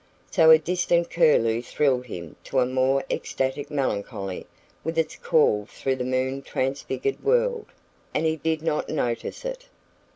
So a distant curlew thrilled him to a more ecstatic melancholy with its call through the moon transfigured world, and he did not notice it.